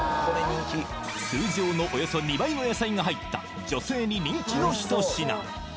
これ人気通常のおよそ２倍の野菜が入った女性に人気の一品